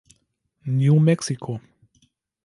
New Mexiko